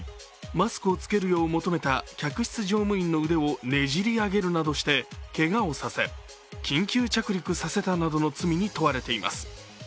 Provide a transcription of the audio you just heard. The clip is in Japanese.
マスクをつけるよう求めた客室乗務員の腕をねじり上げるなどしてけがをさせ、緊急着陸させたなどの罪に問われています。